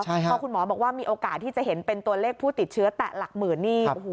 พอคุณหมอบอกว่ามีโอกาสที่จะเห็นเป็นตัวเลขผู้ติดเชื้อแตะหลักหมื่นนี่